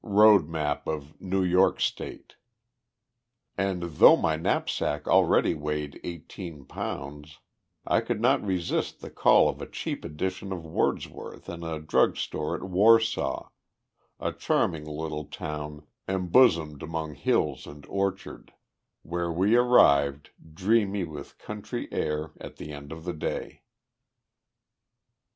Road Map of New York State. And, though my knapsack already weighed eighteen pounds, I could not resist the call of a cheap edition of Wordsworth in a drug store at Warsaw, a charming little town embosomed among hills and orchards, where we arrived, dreamy with country air, at the end of the day.